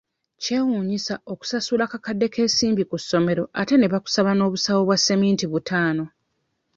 Kyewuunyisa okusasula akakadde k'ensimbi ku ssomero ate ne bakusaba n'obusawo bwa ssementi butaano.